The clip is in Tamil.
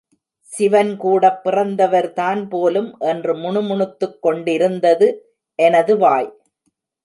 சிவன் கூடப் பிறந்தவர்தான் போலும் என்று முணுமுணுத்துக் கொண்டிருந்தது எனது வாய்.